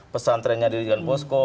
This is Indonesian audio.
pesantrennya di dengan posko